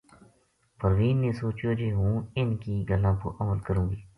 پروین نے سوچیو جے ہوں اِنھ کی گلاں پو عمل کروں گی